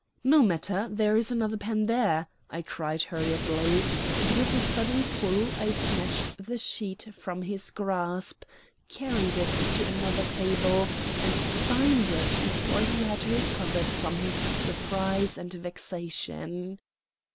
"No matter, there is another pen there," I cried hurriedly, and with a sudden pull I snatched the sheet from his grasp, carried it to another table, and signed it before he had recovered from his surprise and vexation.